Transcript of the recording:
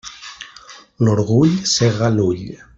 L'orgull cega l'ull.